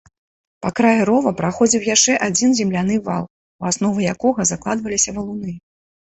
Па краі рова праходзіў яшчэ адзін земляны вал, у аснову якога закладваліся валуны.